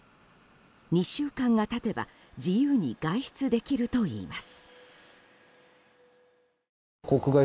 ２週間が経てば自由に外出できるといいます。